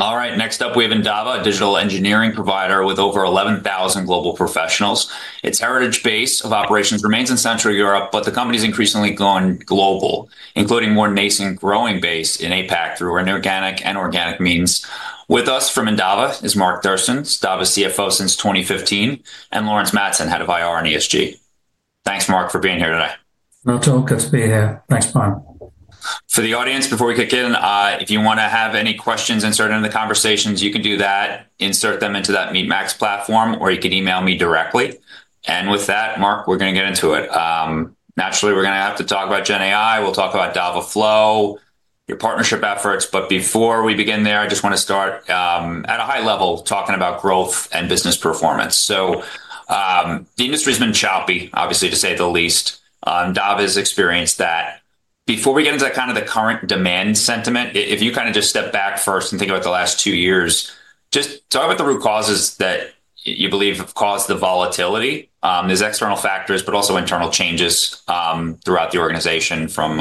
All right, next up, we have Endava, a digital engineering provider with over 11,000 global professionals. Its heritage base of operations remains in Central Europe, but the company's increasingly going global, including more nascent, growing base in APAC through inorganic and organic means. With us from Endava is Mark Thurston, Endava's CFO since 2015, and Laurence Madsen, head of IR and ESG. Thanks, Mark, for being here today. No, it's really good to be here. Thanks, Bryan. For the audience, before we kick in, if you want to have any questions inserted into the conversations, you can do that, insert them into that MeetMax platform, or you can email me directly, and with that, Mark, we're going to get into it. Naturally, we're going to have to talk about GenAI. We'll talk about Endava Flow, your partnership efforts, but before we begin there, I just want to start at a high level talking about growth and business performance, so the industry's been choppy, obviously, to say the least. Endava's experienced that. Before we get into kind of the current demand sentiment, if you kind of just step back first and think about the last two years, just talk about the root causes that you believe have caused the volatility. There's external factors, but also internal changes throughout the organization from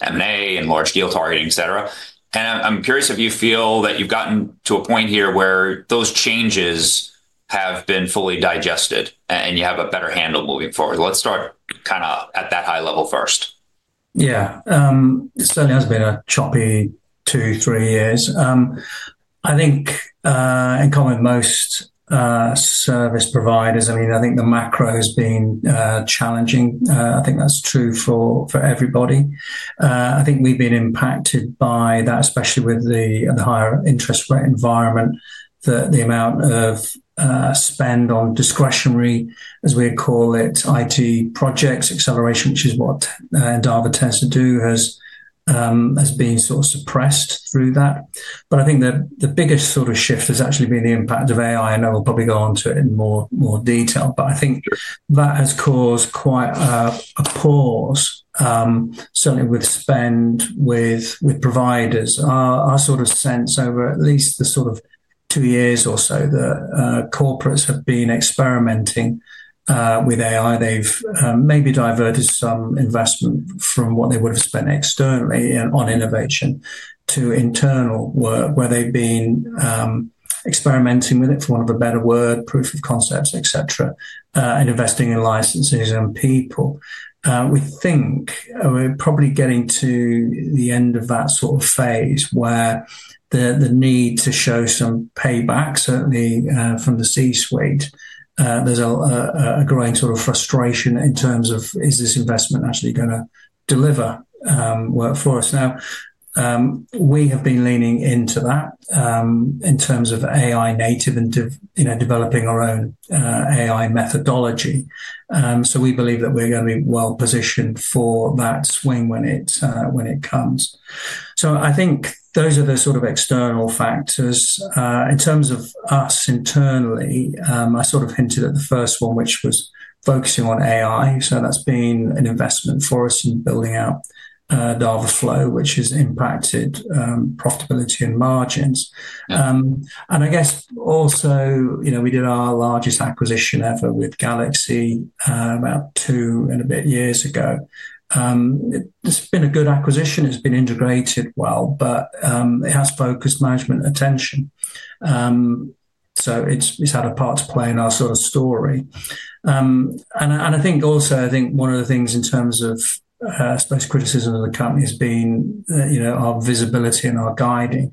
M&A and large deal targeting, et cetera. I'm curious if you feel that you've gotten to a point here where those changes have been fully digested and you have a better handle moving forward. Let's start kind of at that high level first. Yeah, it certainly has been a choppy two, three years. I think, in common with most service providers, I mean, I think the macro has been challenging. I think that's true for everybody. I think we've been impacted by that, especially with the higher interest rate environment, that the amount of spend on discretionary, as we call it, IT projects, acceleration, which is what Endava tends to do, has been sort of suppressed through that. But I think the biggest sort of shift has actually been the impact of AI. I know we'll probably go on to it in more detail, but I think that has caused quite a pause, certainly with spend with providers. Our sort of sense over at least the sort of two years or so that corporates have been experimenting with AI, they've maybe diverted some investment from what they would have spent externally on innovation to internal work, where they've been experimenting with it, for want of a better word, proof of concepts, et cetera, and investing in licenses and people. We think we're probably getting to the end of that sort of phase where the need to show some payback, certainly from the C-suite, there's a growing sort of frustration in terms of, is this investment actually going to deliver work for us? Now, we have been leaning into that in terms of AI native and developing our own AI methodology. So we believe that we're going to be well positioned for that swing when it comes. So I think those are the sort of external factors. In terms of us internally, I sort of hinted at the first one, which was focusing on AI. So that's been an investment for us in building out Endava Flow, which has impacted profitability and margins. And I guess also, you know, we did our largest acquisition ever with GalaxE about two and a bit years ago. It's been a good acquisition. It's been integrated well, but it has focused management attention. So it's had a part to play in our sort of story. And I think also, one of the things in terms of, I suppose, criticism of the company has been our visibility and our guidance.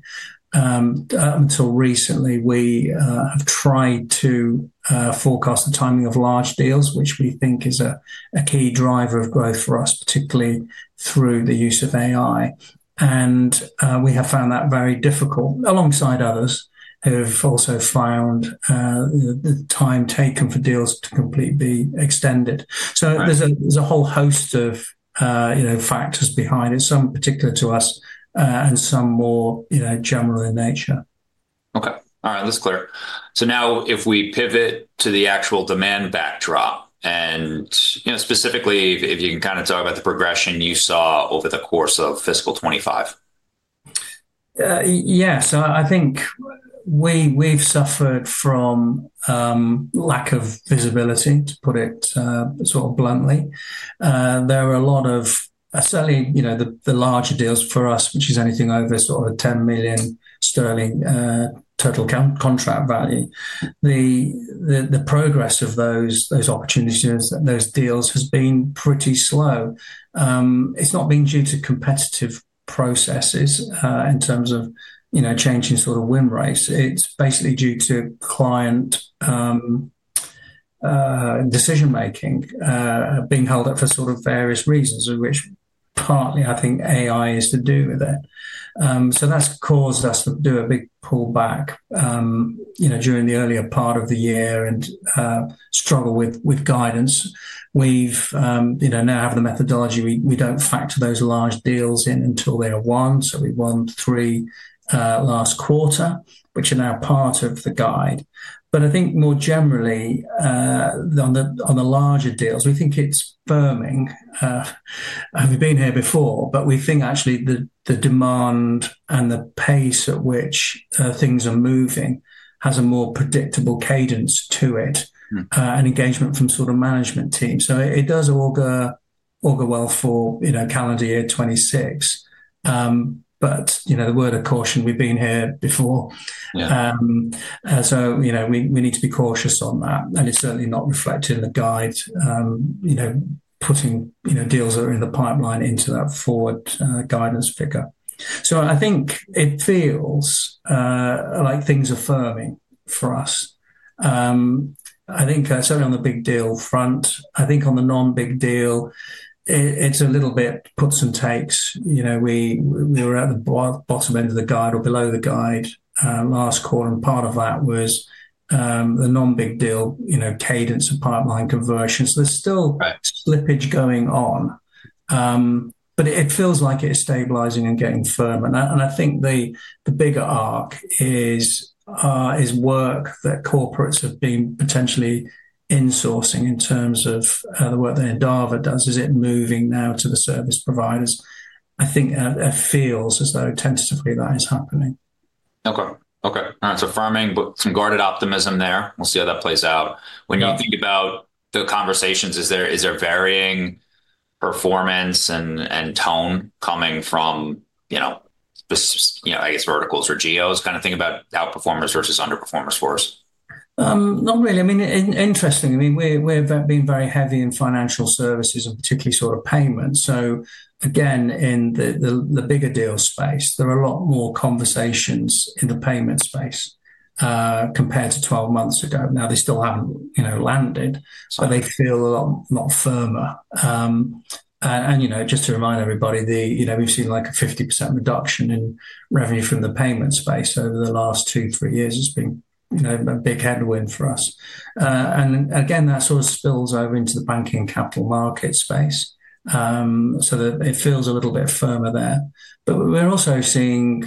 Up until recently, we have tried to forecast the timing of large deals, which we think is a key driver of growth for us, particularly through the use of AI. And we have found that very difficult, alongside others who have also found the time taken for deals to complete being extended. So there's a whole host of factors behind it, some particular to us and some more general in nature. Okay, all right, that's clear so now, if we pivot to the actual demand backdrop, and specifically, if you can kind of talk about the progression you saw over the course of fiscal 2025. Yeah, so I think we've suffered from lack of visibility, to put it sort of bluntly. There are a lot of, certainly the larger deals for us, which is anything over sort of a 10 million sterling total contract value. The progress of those opportunities, those deals has been pretty slow. It's not been due to competitive processes in terms of changing sort of win rates. It's basically due to client decision-making being held up for sort of various reasons, of which partly, I think, AI is to do with it. So that's caused us to do a big pullback during the earlier part of the year and struggle with guidance. We now have the methodology. We don't factor those large deals in until they are won. So we won three last quarter, which are now part of the guide. But I think more generally, on the larger deals, we think it's firming. We've been here before, but we think actually the demand and the pace at which things are moving has a more predictable cadence to it and engagement from sort of management teams. So it does augur well for calendar year 2026, but the word of caution, we've been here before. So we need to be cautious on that. And it's certainly not reflected in the guide, putting deals that are in the pipeline into that forward guidance figure. So I think it feels like things are firming for us. I think certainly on the big deal front, I think on the non-big deal, it's a little bit puts and takes. We were at the bottom end of the guide or below the guide last quarter. And part of that was the non-big deal cadence and pipeline conversion. So there's still slippage going on, but it feels like it's stabilizing and getting firmer. And I think the bigger arc is work that corporates have been potentially insourcing in terms of the work that Endava does. Is it moving now to the service providers? I think it feels as though tentatively that is happening. Okay, okay. All right, so firming, but some guarded optimism there. We'll see how that plays out. When you think about the conversations, is there varying performance and tone coming from, I guess, verticals or geos? Kind of think about outperformers versus underperformers for us. Not really. I mean, interesting. I mean, we've been very heavy in financial services and particularly sort of payments. So again, in the bigger deal space, there are a lot more conversations in the payment space compared to 12 months ago. Now, they still haven't landed, but they feel a lot firmer, and just to remind everybody, we've seen like a 50% reduction in revenue from the payment space over the last two, three years. It's been a big headwind for us, and again, that sort of spills over into the banking and capital market space, so it feels a little bit firmer there, but we're also seeing,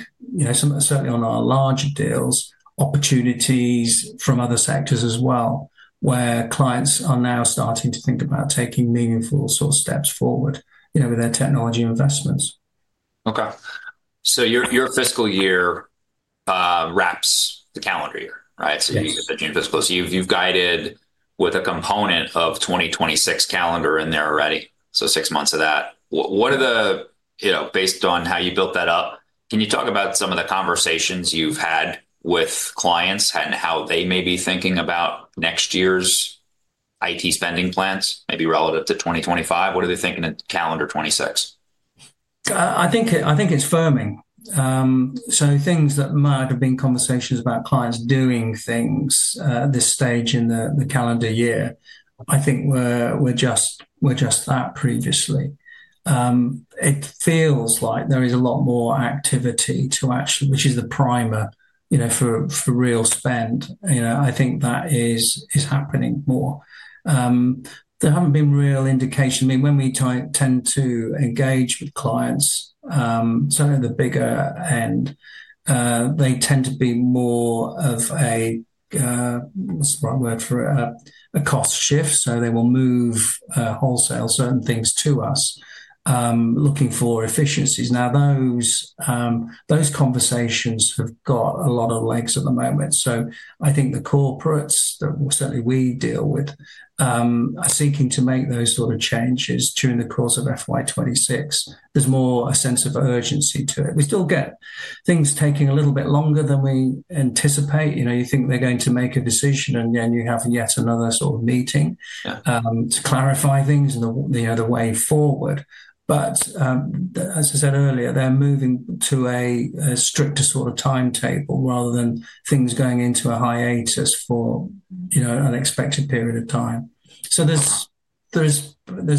certainly on our larger deals, opportunities from other sectors as well, where clients are now starting to think about taking meaningful sort of steps forward with their technology investments. Okay. So your fiscal year wraps the calendar year, right? So you said June fiscal. So you've guided with a component of 2026 calendar in there already, so six months of that. Based on how you built that up, can you talk about some of the conversations you've had with clients and how they may be thinking about next year's IT spending plans, maybe relative to 2025? What are they thinking in calendar 2026? I think it's firming. So things that might have been conversations about clients doing things at this stage in the calendar year, I think were just that previously. It feels like there is a lot more activity to actually, which is the primer for real spend. I think that is happening more. There haven't been real indications. I mean, when we tend to engage with clients, certainly the bigger end, they tend to be more of a, what's the right word for it, a cost shift. So they will move wholesale certain things to us, looking for efficiencies. Now, those conversations have got a lot of legs at the moment. So I think the corporates that certainly we deal with are seeking to make those sort of changes during the course of FY26. There's more a sense of urgency to it. We still get things taking a little bit longer than we anticipate. You think they're going to make a decision, and then you have yet another sort of meeting to clarify things and the way forward. But as I said earlier, they're moving to a stricter sort of timetable rather than things going into a hiatus for an expected period of time. So there's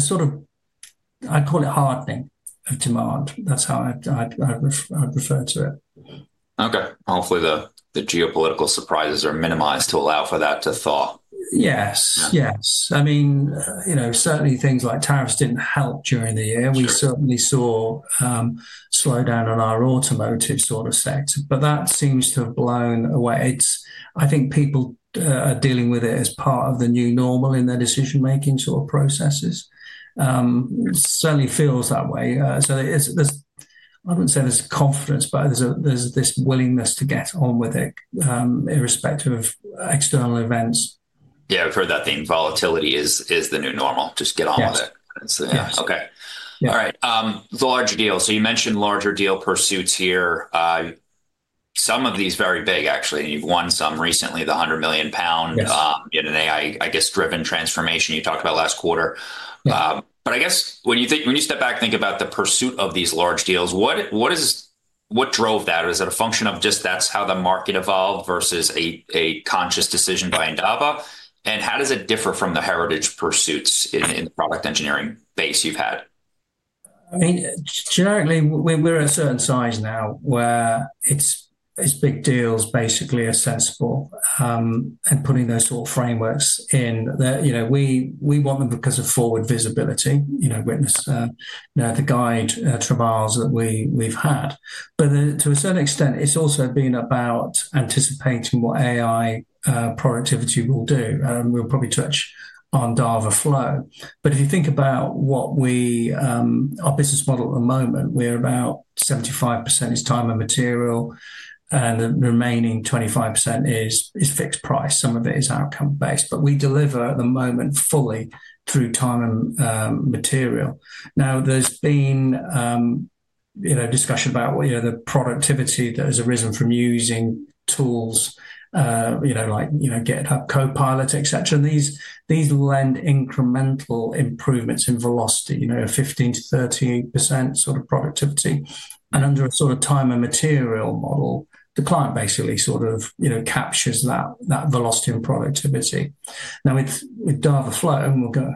sort of, I'd call it hardening of demand. That's how I'd refer to it. Okay. Hopefully, the geopolitical surprises are minimized to allow for that to thaw. Yes, yes. I mean, certainly things like tariffs didn't help during the year. We certainly saw a slowdown on our automotive sort of sector, but that seems to have blown away. I think people are dealing with it as part of the new normal in their decision-making sort of processes. It certainly feels that way. So I wouldn't say there's confidence, but there's this willingness to get on with it, irrespective of external events. Yeah, I've heard that theme volatility is the new normal. Just get on with it. Yes. Okay. All right. Larger deal. So you mentioned larger deal pursuits here. Some of these very big, actually. And you've won some recently, the 100 million pound in an AI, I guess, driven transformation you talked about last quarter. But I guess when you step back, think about the pursuit of these large deals, what drove that? Was that a function of just that's how the market evolved versus a conscious decision by Endava? And how does it differ from the heritage pursuits in the product engineering base you've had? I mean, generally, we're a certain size now where it's big deals basically addressable and putting those sort of frameworks in. We want them because of forward visibility, witness the guide trials that we've had, but to a certain extent, it's also been about anticipating what AI productivity will do, and we'll probably touch on Endava Flow. But if you think about what our business model at the moment, we are about 75% is time and material, and the remaining 25% is fixed price. Some of it is outcome-based, but we deliver at the moment fully through time and material. Now, there's been discussion about the productivity that has arisen from using tools like GitHub, Copilot, et cetera, and these lend incremental improvements in velocity, 15%-30% sort of productivity, and under a sort of time and material model, the client basically sort of captures that velocity and productivity. Now, with Endava Flow, and we'll go,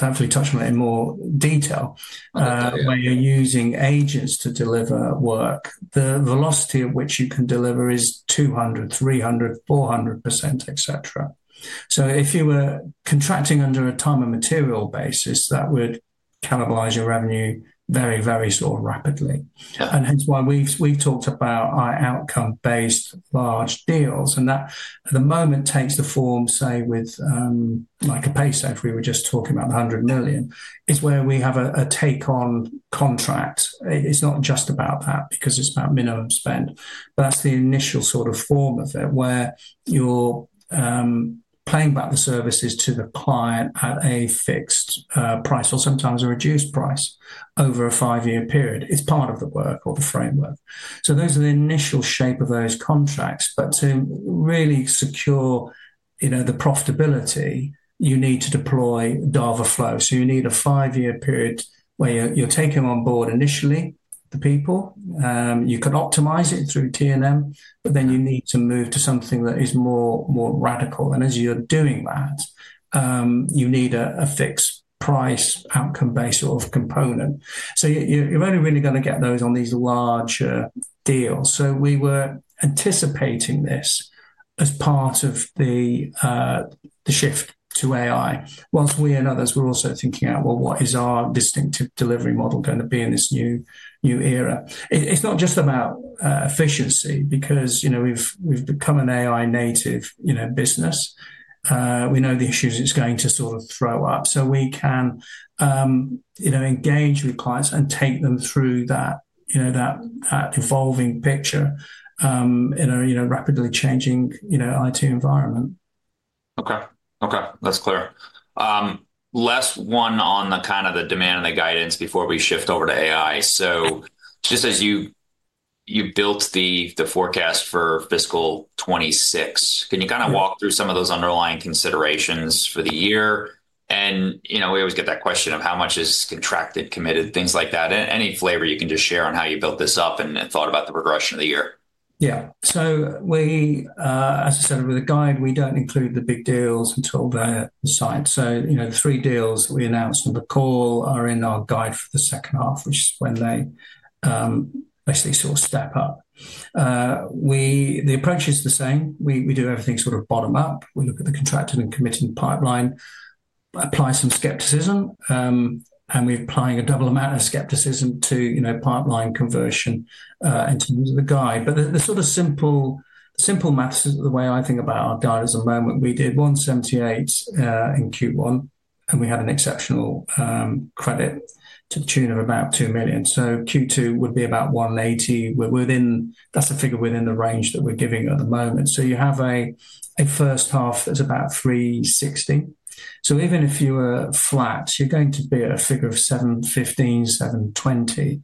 hopefully, touch on it in more detail, where you're using agents to deliver work, the velocity at which you can deliver is 200%, 300%, 400%, et cetera. So if you were contracting under a time and material basis, that would cannibalize your revenue very, very sort of rapidly, and hence why we've talked about our outcome-based large deals, and that at the moment takes the form, say, with a Paysafe, we were just talking about the 100 million, is where we have a take-on contract. It's not just about that because it's about minimum spend, but that's the initial sort of form of it, where you're paying back the services to the client at a fixed price or sometimes a reduced price over a five-year period. It's part of the work or the framework. Those are the initial shape of those contracts. But to really secure the profitability, you need to deploy Endava Flow. You need a five-year period where you're taking on board initially the people. You can optimize it through T&M, but then you need to move to something that is more radical. And as you're doing that, you need a fixed price outcome-based sort of component. You're only really going to get those on these larger deals. We were anticipating this as part of the shift to AI, while we and others were also thinking out, well, what is our distinctive delivery model going to be in this new era? It's not just about efficiency because we've become an AI-native business. We know the issues it's going to sort of throw up. So we can engage with clients and take them through that evolving picture, rapidly changing IT environment. Okay, okay. That's clear. Last one on kind of the demand and the guidance before we shift over to AI, so just as you built the forecast for fiscal 2026, can you kind of walk through some of those underlying considerations for the year? And we always get that question of how much is contracted, committed, things like that. Any flavor you can just share on how you built this up and thought about the progression of the year? Yeah. So as I said, with the guide, we don't include the big deals until they're signed. So the three deals we announced on the call are in our guide for the second half, which is when they basically sort of step up. The approach is the same. We do everything sort of bottom up. We look at the contracting and committing pipeline, apply some skepticism, and we're applying a double amount of skepticism to pipeline conversion in terms of the guide. But the sort of simple math, the way I think about our guide at the moment, we did 178 in Q1, and we had an exceptional credit to the tune of about 2 million. So Q2 would be about 180. That's a figure within the range that we're giving at the moment. So you have a first half that's about 360. So even if you were flat, you're going to be at a figure of 715-720.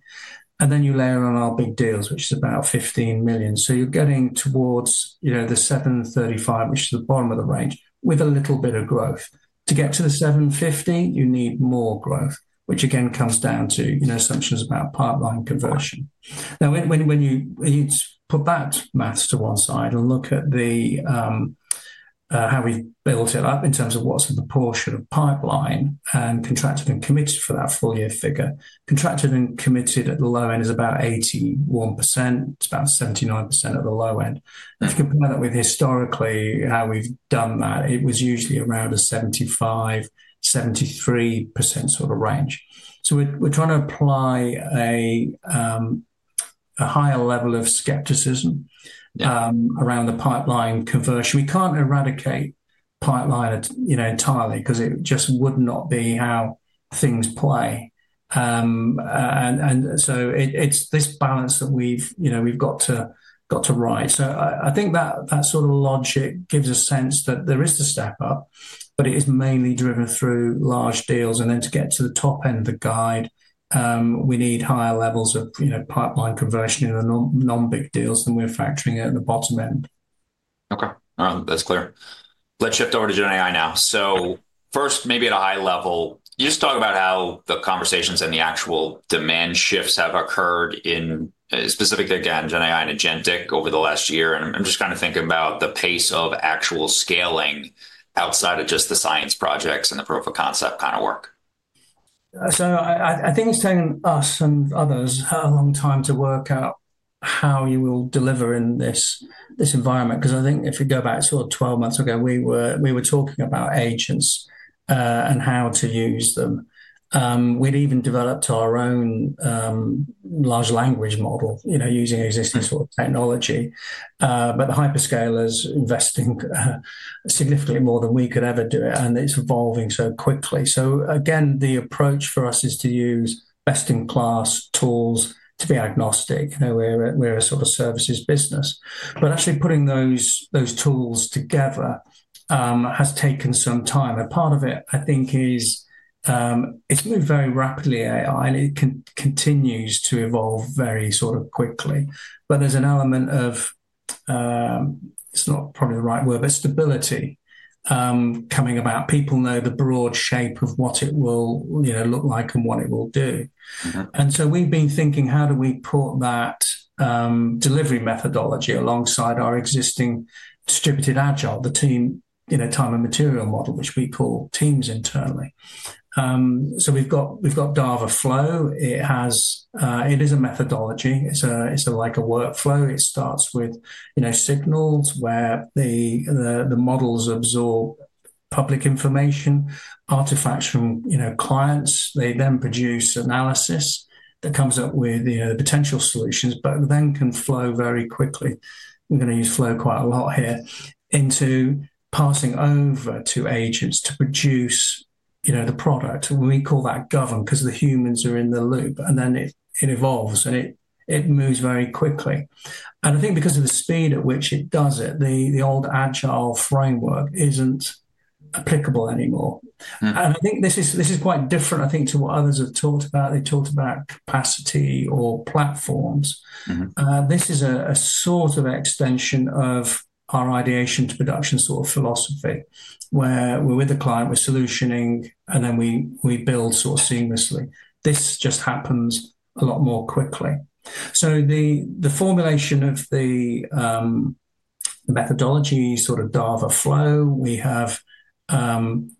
And then you layer on our big deals, which is about 15 million. So you're getting towards the 735, which is the bottom of the range, with a little bit of growth. To get to the 750, you need more growth, which again comes down to assumptions about pipeline conversion. Now, when you put that math to one side and look at how we've built it up in terms of what's the proportion of pipeline and contracted and committed for that full year figure, contracted and committed at the low end is about 81%. It's about 79% at the low end. If you compare that with historically how we've done that, it was usually around a 75%-73% sort of range. So we're trying to apply a higher level of skepticism around the pipeline conversion. We can't eradicate pipeline entirely because it just would not be how things play. And so it's this balance that we've got to strike. So I think that sort of logic gives a sense that there is the step up, but it is mainly driven through large deals. And then to get to the top end of the guide, we need higher levels of pipeline conversion in the non-big deals than we're factoring at the bottom end. Okay. All right. That's clear. Let's shift over to GenAI now. So first, maybe at a high level, you just talk about how the conversations and the actual demand shifts have occurred in specifically, again, GenAI and Agentic over the last year. And I'm just kind of thinking about the pace of actual scaling outside of just the science projects and the proof of concept kind of work. So I think it's taken us and others a long time to work out how you will deliver in this environment. Because I think if we go back sort of 12 months ago, we were talking about agents and how to use them. We'd even developed our own large language model using existing sort of technology. But the hyperscalers are investing significantly more than we could ever do it, and it's evolving so quickly. So again, the approach for us is to use best-in-class tools to be agnostic. We're a sort of services business. But actually putting those tools together has taken some time. And part of it, I think, is it's moved very rapidly, AI, and it continues to evolve very sort of quickly. But there's an element of, it's not probably the right word, but stability coming about. People know the broad shape of what it will look like and what it will do, and so we've been thinking, how do we put that delivery methodology alongside our existing distributed agile, the TEAM time and material model, which we call TEAM internally, so we've got Endava Flow. It is a methodology. It's like a workflow. It starts with signals where the models absorb public information, artifacts from clients. They then produce analysis that comes up with potential solutions, but then can flow very quickly. We're going to use flow quite a lot here into passing over to agents to produce the product. We call that govern because the humans are in the loop, and then it evolves and it moves very quickly, and I think because of the speed at which it does it, the old agile framework isn't applicable anymore. And I think this is quite different, I think, to what others have talked about. They talked about capacity or platforms. This is a sort of extension of our ideation to production sort of philosophy, where we're with the client, we're solutioning, and then we build sort of seamlessly. This just happens a lot more quickly. So the formulation of the methodology sort of Endava Flow, we have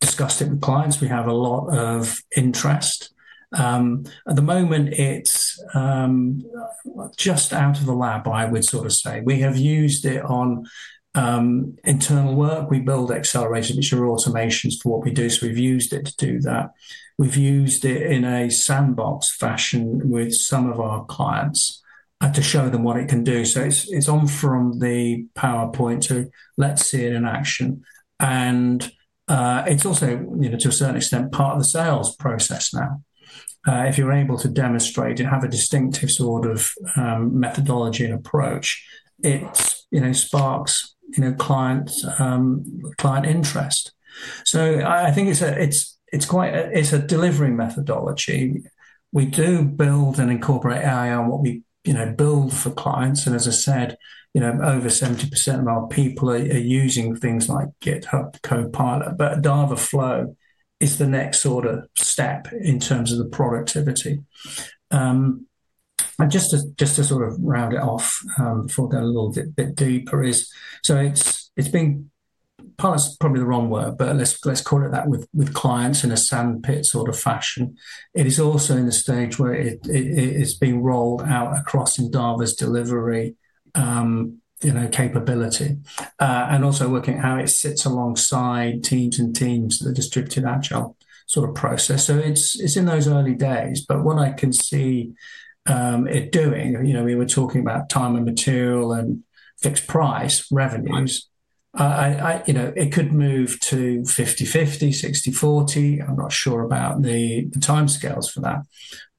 discussed it with clients. We have a lot of interest. At the moment, it's just out of the lab, I would sort of say. We have used it on internal work. We build accelerators, which are automations for what we do. So we've used it to do that. We've used it in a sandbox fashion with some of our clients to show them what it can do. So it's gone from the PowerPoint to let's see it in action. It's also, to a certain extent, part of the sales process now. If you're able to demonstrate and have a distinctive sort of methodology and approach, it sparks client interest. So I think it's a delivery methodology. We do build and incorporate AI on what we build for clients. And as I said, over 70% of our people are using things like GitHub, Copilot. But Endava Flow is the next sort of step in terms of the productivity. And just to sort of round it off before we go a little bit deeper, it's been part, is probably the wrong word, but let's call it that with clients in a sandbox sort of fashion. It is also in a stage where it's being rolled out across Endava's delivery capability and also looking at how it sits alongside TEAM and TEAM that are distributed agile sort of process, so it's in those early days, but what I can see it doing, we were talking about time and material and fixed price revenues, it could move to 50/50, 60/40. I'm not sure about the timescales for that,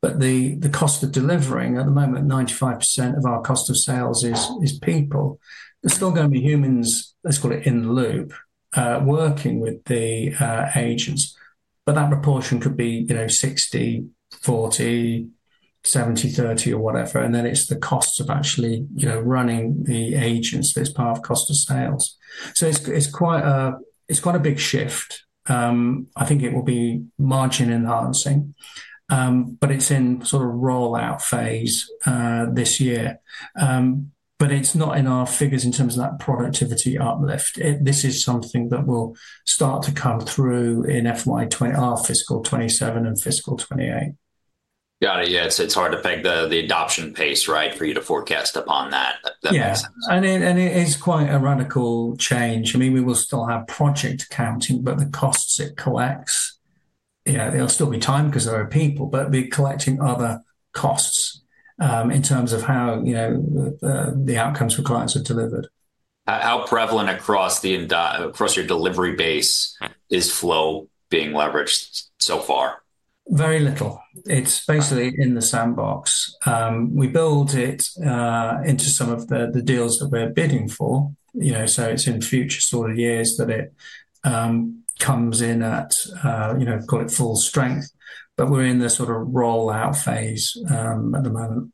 but the cost of delivering, at the moment, 95% of our cost of sales is people. There's still going to be humans, let's call it in the loop, working with the agents, but that proportion could be 60, 40, 70, 30, or whatever, and then it's the cost of actually running the agents. That's part of cost of sales, so it's quite a big shift. I think it will be margin enhancing, but it's in sort of rollout phase this year. But it's not in our figures in terms of that productivity uplift. This is something that will start to come through in FY27, our fiscal 2027 and fiscal 2028. Got it. Yeah. It's hard to peg the adoption pace, right, for you to forecast upon that. That makes sense. Yeah, and it is quite a radical change. I mean, we will still have project accounting, but the costs it collects, there'll still be time because there are people, but we're collecting other costs in terms of how the outcomes for clients are delivered. How prevalent across your delivery base is flow being leveraged so far? Very little. It's basically in the sandbox. We build it into some of the deals that we're bidding for. So it's in future sort of years that it comes in at, call it, full strength, but we're in the sort of rollout phase at the moment.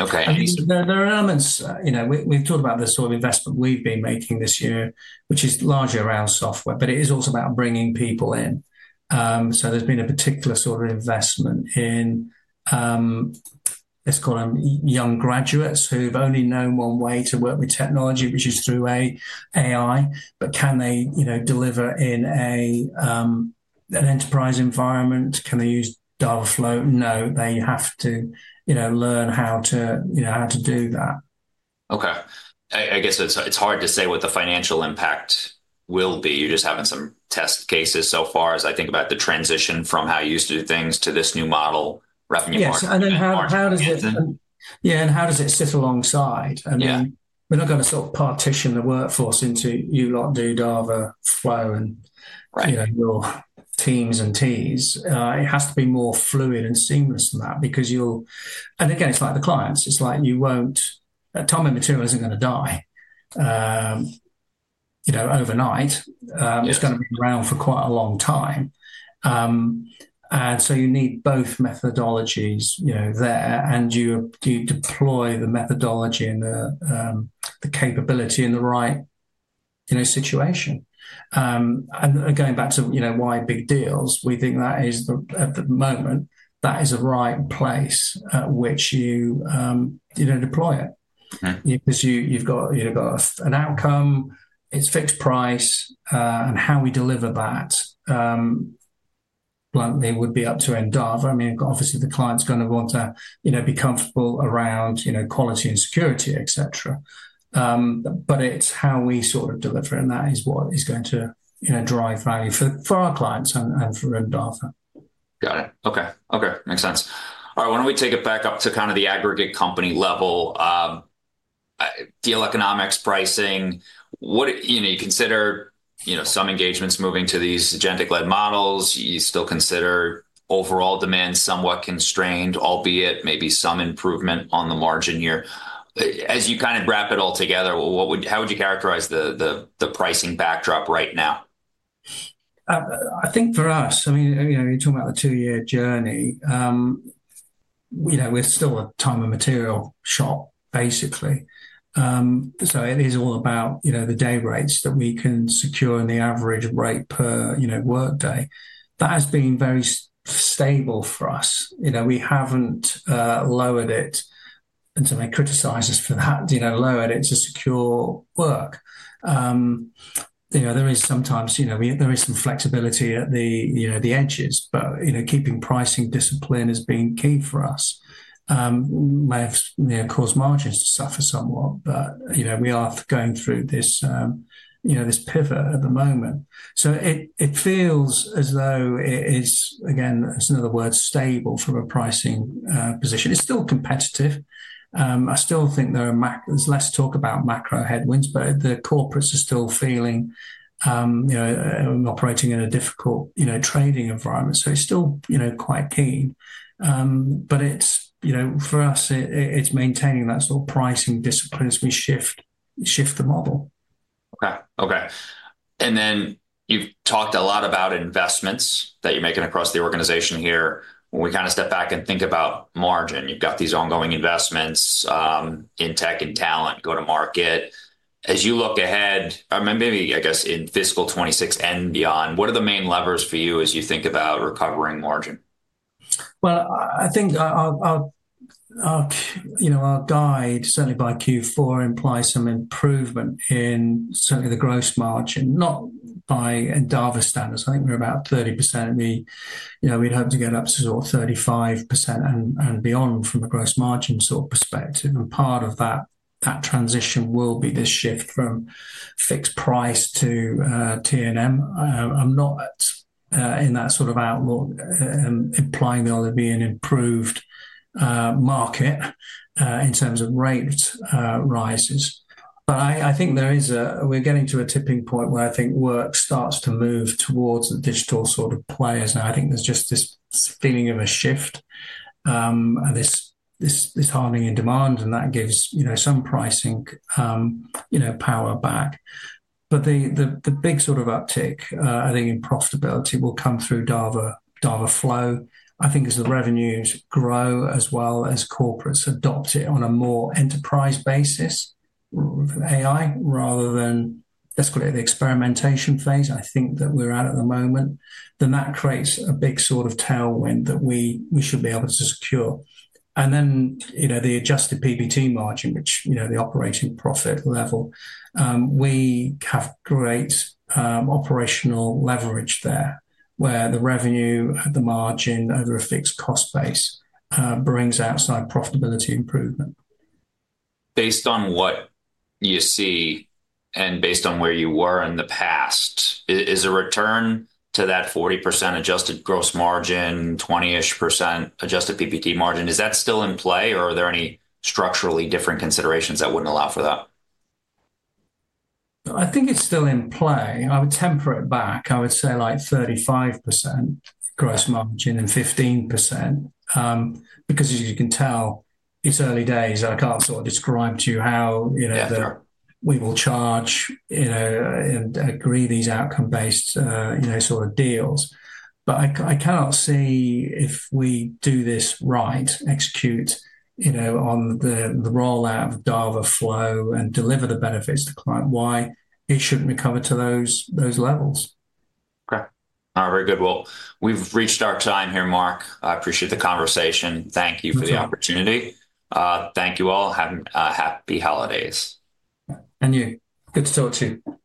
Okay. There are elements. We've talked about the sort of investment we've been making this year, which is largely around software, but it is also about bringing people in, so there's been a particular sort of investment in, let's call them young graduates who've only known one way to work with technology, which is through AI, but can they deliver in an enterprise environment? Can they use Endava Flow? No, they have to learn how to do that. Okay. I guess it's hard to say what the financial impact will be. You're just having some test cases so far as I think about the transition from how you used to do things to this new model, revenue market. Yeah. So and then, how does it? Or how it's in. Yeah, and how does it sit alongside? I mean, we're not going to sort of partition the workforce into you lot do Endava Flow and your TEAM and TEAS. It has to be more fluid and seamless than that because you'll, and again, it's like the clients. It's like you won't, time and material isn't going to die overnight. It's going to be around for quite a long time, and so you need both methodologies there, and you deploy the methodology and the capability in the right situation, and going back to why big deals, we think that is, at the moment, that is a right place at which you deploy it because you've got an outcome. It's fixed price, and how we deliver that, bluntly, would be up to Endava. I mean, obviously, the client's going to want to be comfortable around quality and security, etc. But it's how we sort of deliver, and that is what is going to drive value for our clients and for Endava. Got it. Okay. Okay. Makes sense. All right. Why don't we take it back up to kind of the aggregate company level? Deal economics, pricing. You consider some engagements moving to these agentic-led models. You still consider overall demand somewhat constrained, albeit maybe some improvement on the margin here. As you kind of wrap it all together, how would you characterize the pricing backdrop right now? I think for us, I mean, you're talking about the two-year journey. We're still a time and material shop, basically. So it is all about the day rates that we can secure and the average rate per workday. That has been very stable for us. We haven't lowered it, and so they criticize us for that, lowered it to secure work. There is sometimes some flexibility at the edges, but keeping pricing discipline has been key for us. We may have caused margins to suffer somewhat, but we are going through this pivot at the moment. So it feels as though it is, again, it's another word, stable from a pricing position. It's still competitive. I still think there's less talk about macro headwinds, but the corporates are still feeling operating in a difficult trading environment. So it's still quite keen. But for us, it's maintaining that sort of pricing discipline as we shift the model. And then you've talked a lot about investments that you're making across the organization here. When we kind of step back and think about margin, you've got these ongoing investments in tech and talent, go to market. As you look ahead, maybe, I guess, in fiscal 2026 and beyond, what are the main levers for you as you think about recovering margin? I think our guide, certainly by Q4, implies some improvement in certainly the gross margin, not by Endava standards. I think we're about 30%. We'd hope to get up to sort of 35% and beyond from a gross margin sort of perspective, and part of that transition will be this shift from fixed price to T&M. I'm not in that sort of outlook implying there'll be an improved market in terms of rate rises, but I think there is, we're getting to a tipping point where I think work starts to move towards the digital sort of players, and I think there's just this feeling of a shift and this hardening in demand, and that gives some pricing power back. The big sort of uptick, I think, in profitability will come through Endava Flow, I think, as the revenues grow as well as corporates adopt it on a more enterprise basis, AI, rather than, let's call it, the experimentation phase, I think, that we're at the moment. That creates a big sort of tailwind that we should be able to secure. The adjusted PBT margin, which the operating profit level, we have great operational leverage there where the revenue, the margin over a fixed cost base brings outsized profitability improvement. Based on what you see and based on where you were in the past, is a return to that 40% adjusted gross margin, 20-ish% adjusted PBT margin, is that still in play, or are there any structurally different considerations that wouldn't allow for that? I think it's still in play. I would temper it back. I would say like 35% gross margin and 15% because, as you can tell, it's early days. I can't sort of describe to you how we will charge and agree these outcome-based sort of deals. But I cannot see if we do this right, execute on the rollout of Endava Flow and deliver the benefits to client-wide, it shouldn't recover to those levels. Okay. All right. Very good. Well, we've reached our time here, Mark. I appreciate the conversation. Thank you for the opportunity. Thank you all. Happy holidays. You. Good to talk to you. Bye.